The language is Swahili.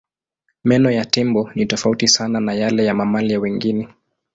Meno ya tembo ni tofauti sana na yale ya mamalia wengine.